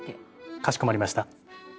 かしこまりました。